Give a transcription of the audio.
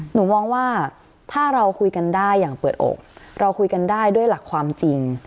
หนูมองว่าถ้าเราคุยกันได้อย่างเปิดอกเราคุยกันได้ด้วยหลักความจริง